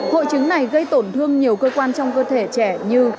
hội chứng này gây tổn thương nhiều cơ quan trong cơ thể trẻ như